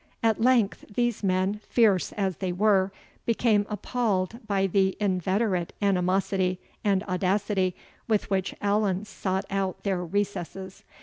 At length these men, fierce as they were, became appalled by the inveterate animosity and audacity with which Allan sought out their recesses.